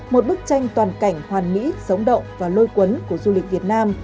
một bức tranh toàn cảnh hoàn mỹ sống động và lôi cuốn của du lịch việt nam